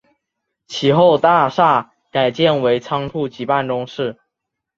其后大厦改建为仓库及办公室。